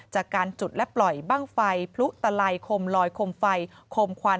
จากการจุดและปล่อยบ้างไฟพลุตลัยคมลอยคมไฟคมควัน